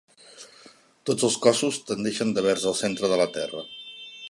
Tots els cossos tendeixen devers el centre de la Terra.